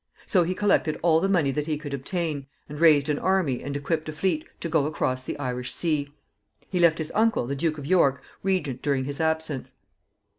So he collected all the money that he could obtain, and raised an army and equipped a fleet to go across the Irish Sea. He left his uncle, the Duke of York, regent during his absence.